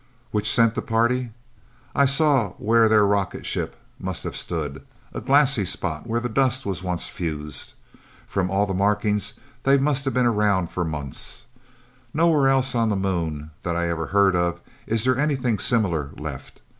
Which sent the party? I saw where there rocket ship must have stood a glassy, spot where the dust was once fused!... From all the markings, they must have been around for months. Nowhere else on the Moon that I ever heard of is there anything similar left.